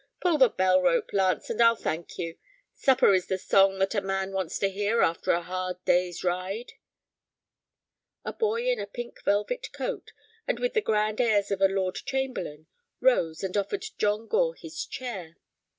Pull the bell rope, Launce, and I'll thank you. Supper is the song that a man wants to hear after a hard day's ride." A boy in a pink velvet coat, and with the grand airs of a lord chamberlain, rose and offered John Gore his chair.